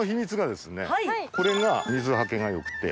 これが水はけがよくて。